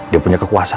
dia punya kekuatan